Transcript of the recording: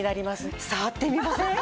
触ってみません？